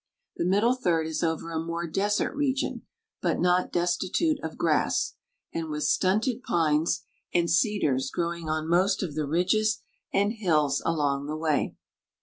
The middle third is over a more desert region, but not destitute of grass, and with stunted pines and cedars growing on most of the ridges and hills along the way.